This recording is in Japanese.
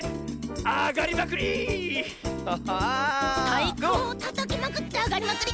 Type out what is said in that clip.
「たいこをたたきまくってあがりまくり」